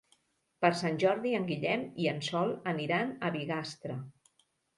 Per Sant Jordi en Guillem i en Sol aniran a Bigastre.